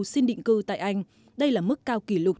xin định cư tại anh đây là mức cao kỷ lục